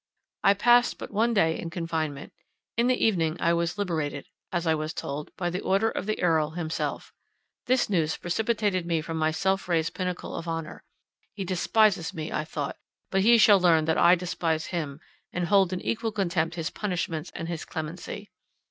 —I passed but one day in confinement; in the evening I was liberated, as I was told, by the order of the Earl himself. This news precipitated me from my self raised pinnacle of honour. He despises me, I thought; but he shall learn that I despise him, and hold in equal contempt his punishments and his clemency.